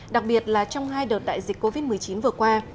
đặc biệt là trong hai đợt đại dịch covid một mươi chín vừa qua